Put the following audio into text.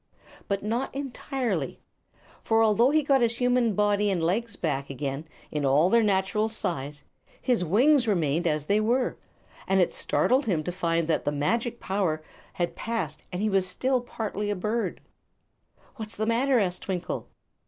But not entirely. For although he got his human body and legs back again, all in their natural size, his wings remained as they were, and it startled him to find that the magic power had passed and he was still partly a bird. "What's the matter?" asked Twinkle.